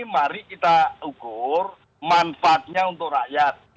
mari kita ukur manfaatnya untuk rakyat